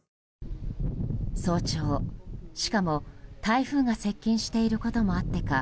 早朝、しかも台風が接近していることもあってか